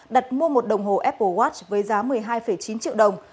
đặt mua một đồng hồ apple watch với giá một mươi hai chín triệu đồng